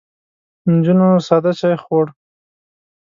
نجونو ساده چای خوړ.